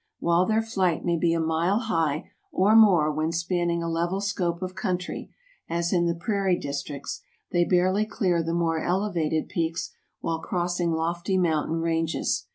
While their flight may be a mile high or more when spanning a level scope of country, as in the prairie districts, they barely clear the more elevated peaks while crossing lofty mountain ranges.